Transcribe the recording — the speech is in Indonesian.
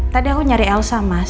tadi aku nyari elsa mas